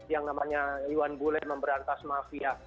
yang namanya iwan bule memberantas mafia